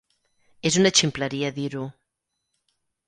És una ximpleria dir-ho.